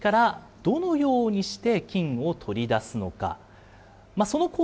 この金鉱石からどのようにして金を取り出すのか。